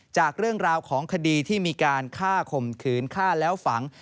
จากเรื่องราวของคดีที่มีการฆ่าข่มขืนฆ่าแล้วฝัง